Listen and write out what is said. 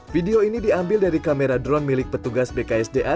video ini diambil dari kamera drone milik petugas bksda